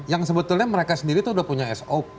yang sebetulnya mereka sendiri itu sudah punya sop